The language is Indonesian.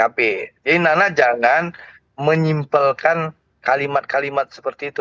tapi nana jangan menyimpelkan kalimat kalimat seperti itu